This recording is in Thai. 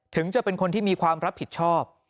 ถึงจะเป็นคนที่มีความรับผิดชอบ